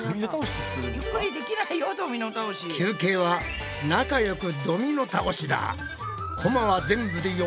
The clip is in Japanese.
休憩は仲よくドミノ倒しだ。